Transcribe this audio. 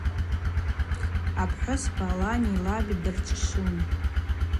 Апхӏвыспа лани лаби дырчвшвун.